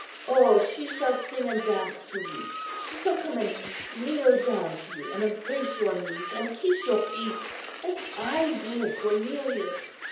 Oh! she shall sing and dance to you; she shall come and kneel down to you, and embrace your knees, and kiss your feet, as I do, Cornelius!"